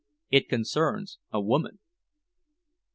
"It concerns a woman."